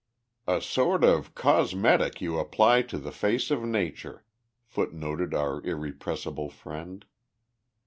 "A sort of cosmetic you apply to the face of Nature," footnoted our irrepressible friend.